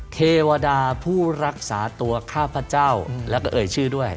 เทวดาผู้รักษาตัวข้าพเจ้าแล้วก็เอ่ยชื่อด้วย